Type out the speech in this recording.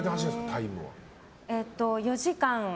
タイムは。